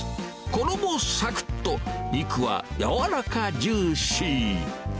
衣さくっと、肉は柔らかジューシー。